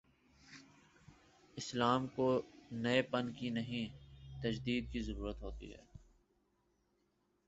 اسلام کو نئے پن کی نہیں، تجدید کی ضرورت ہو تی ہے۔